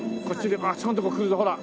あそこんとこ来るぞほら。